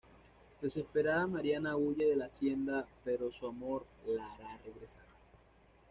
Desesperada Mariana huye de la hacienda, pero su amor la hará regresar.